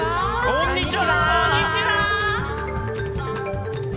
こんにちは！